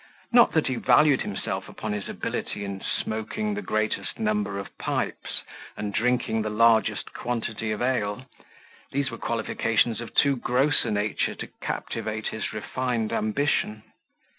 Not that he valued himself upon his ability in smoking the greatest number of pipes, and drinking the largest quantity of ale: these were qualifications of too gross a nature to captivate his refined ambition.